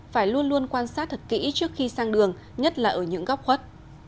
phải luôn luôn quan sát thật kỹ trước khi sang đường nhất là ở những góc khuất